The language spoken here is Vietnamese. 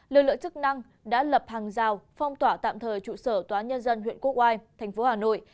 lực lượng chức năng đã lập hàng rào phong tỏa tạm thời trụ sở tòa nhân dân huyện quốc oai thành phố hà nội